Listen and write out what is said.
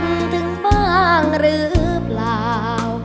ถึงบ้างหรือเปล่า